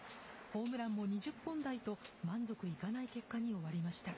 ホームランも２０本台と、満足いかない結果に終わりました。